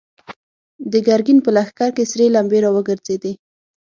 د ګرګين په لښکر کې سرې لمبې را وګرځېدې.